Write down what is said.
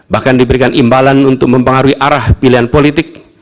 bahkan diberikan imbalan untuk mempengaruhi arah pilihan politik